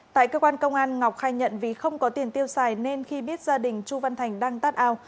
tại cơ quan công an ngọc khai nhận vì không có tiền tiêu xài nên khi biết gia đình chu văn thành đang tát ao